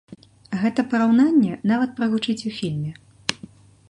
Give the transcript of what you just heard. Гэта параўнанне нават прагучыць у фільме.